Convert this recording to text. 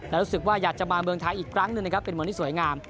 แล้วรู้สึกว่าอยากจะมาเมืองไทยอีกครั้งหนึ่งนะครับเป็นเมืองที่สวยงาม